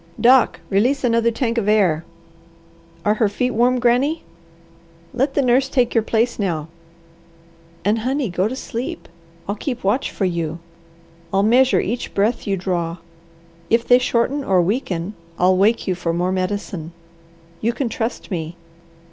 Doc, release another tank of air. Are her feet warm, Granny? Let the nurse take your place now. And, honey, go to sleep! I'll keep watch for you. I'll measure each breath you draw. If they shorten or weaken, I'll wake you for more medicine. You can trust me!